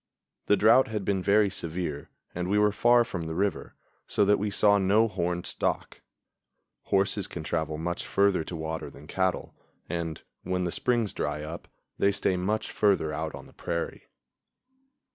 The drought had been very severe and we were far from the river, so that we saw no horned stock. Horses can travel much further to water than cattle, and, when the springs dry up, they stay much further out on the prairie.